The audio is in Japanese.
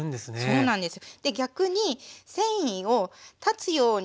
そうなんですよ。